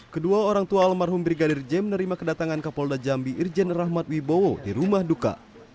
kedua orang tua almarhum brigadir j menerima kedatangan kapolda jambi irjen rahmat wibowo di rumah duka